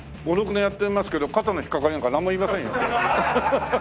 ５６年やってますけど肩の引っかかりなんかなんも言いませんよ。